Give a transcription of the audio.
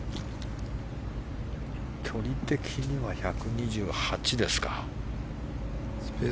距離的には１２８ですか。